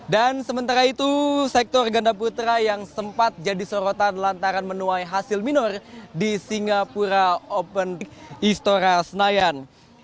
dan sementara itu sektor ganda putra yang sempat jadi sorotan lantaran menuai hasil minor di singapura open istora senayan